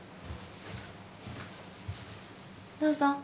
どうぞ。